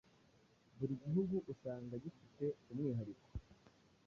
Buri gihugu usanga gifite umwihariko